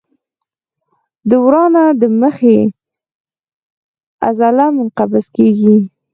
د ورانه د مخې عضله منقبض کېږي.